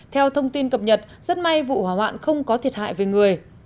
theo thông tin cập nhật rất may vụ hỏa hoạn không có thiệt hại về người